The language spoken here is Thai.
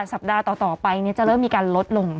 สัปดาห์ต่อไปจะเริ่มมีการลดลง